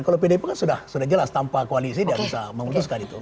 kalau pdip kan sudah jelas tanpa koalisi dia bisa memutuskan itu